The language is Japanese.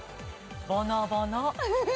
『ぼのぼの』。